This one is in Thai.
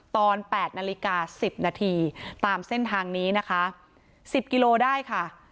ตอน๘นาฬิกา๑๐นาทีตามเส้นทางนี้นะคะ๑๐กิโลได้ค่ะ